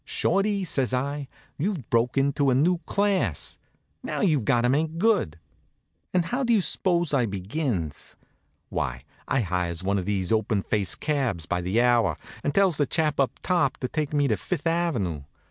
"Shorty," says I, "you've broke into a new class. Now you've got to make good." And how do you s'pose I begins? Why, I hires one of these open faced cabs by the hour, and tells the chap up top to take me up Fifth ave.